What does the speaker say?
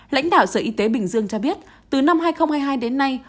lãnh đạo sở y tế bình dương cho biết từ năm hai nghìn hai mươi hai đến nay